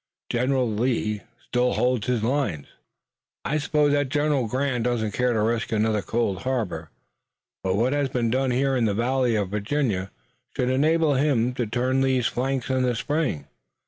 General Lee still holds his lines." "I suppose that General Grant doesn't care to risk another Cold Harbor, but what has been done here in the Valley of Virginia should enable him to turn Lee's flank in the spring."